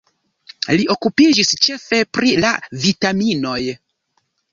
Li okupiĝis ĉefe pri la vitaminoj.